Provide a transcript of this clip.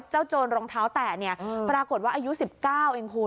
เจ้าโจรรองเท้าแตะปรากฏว่าอายุ๑๙เองคุณ